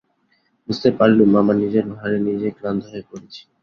বুঝতে পারলুম, আমি নিজের ভারে নিজে ক্লান্ত হয়ে পড়েছি।